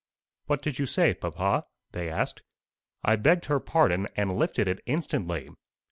"What did you say, papa?" they asked. "I begged her pardon, and lifted it instantly.